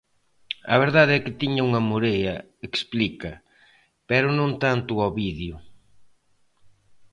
A verdade é que tiña unha morea, explica, pero non tanto ao vídeo.